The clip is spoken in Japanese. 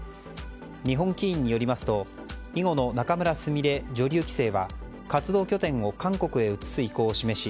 日本棋院によりますと囲碁の仲邑菫女流棋聖は活動拠点を韓国へ移す意向を示し